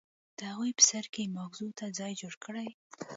د اغوئ په سر کې يې ماغزو ته ځای جوړ کړی.